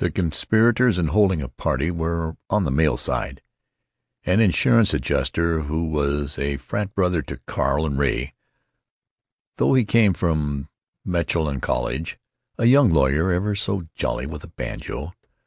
The conspirators in holding a party were, on the male side: An insurance adjuster, who was a frat brother to Carl and Ray, though he came from Melanchthon College. A young lawyer, ever so jolly, with a banjo.